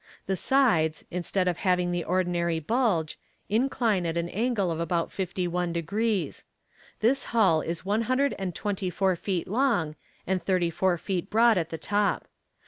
The sides, instead of having the ordinary bulge, incline at an angle of about fifty one degrees. This hull is one hundred and twenty four feet long, and thirty four feet broad at the top.